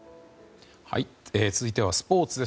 続いてはスポーツです。